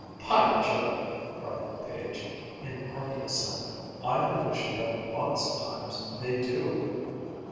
"By Jove," cried Page, in hearty assent, "I've a notion that lots of times they do!"